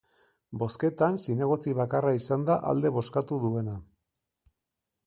Bozketan zinegotzi bakarra izan da alde bozkatu duena.